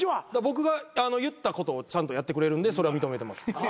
僕が言ったことをちゃんとやってくれるんでそれは認めてます。